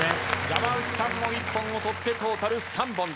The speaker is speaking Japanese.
山内さんも一本を取ってトータル３本です。